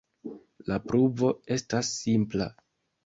La pruvo estas simpla.